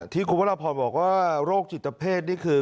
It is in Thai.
ที่กลุ่มวัตรพรบอกว่าโรคจิตเพศคือ